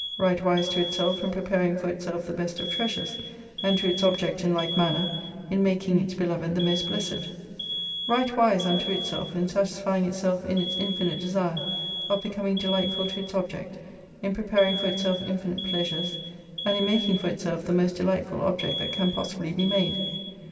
Right wise to itself in preparing for itself the best of treasures, and to its object in like manner, in making its beloved the most blessed. Right wise unto itself, in satisfying itself in its infinite desire of becoming delightful to its object, in preparing for itself infinite pleasures, and in making for itself the most delightful object that can possibly be made.